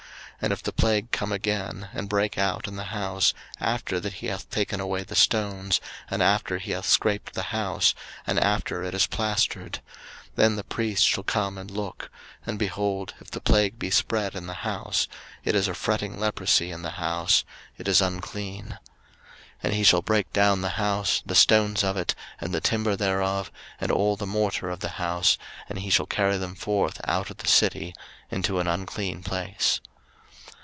03:014:043 And if the plague come again, and break out in the house, after that he hath taken away the stones, and after he hath scraped the house, and after it is plaistered; 03:014:044 Then the priest shall come and look, and, behold, if the plague be spread in the house, it is a fretting leprosy in the house; it is unclean. 03:014:045 And he shall break down the house, the stones of it, and the timber thereof, and all the morter of the house; and he shall carry them forth out of the city into an unclean place.